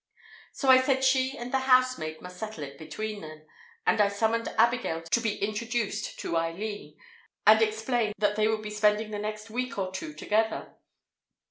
So I said she and the housemaid must settle it between them, and I summoned Abigail to be introduced to Eileen, and explained that they would be spending the next week or two together.